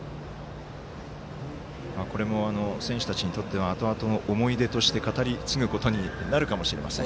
これも選手たちにとってはあとあと、思い出として語り継ぐことになるかもしれません。